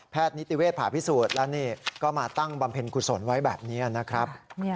นิติเวศผ่าพิสูจน์แล้วนี่ก็มาตั้งบำเพ็ญกุศลไว้แบบนี้นะครับ